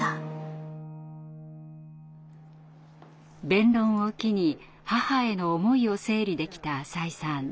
弁論を機に母への思いを整理できた浅井さん。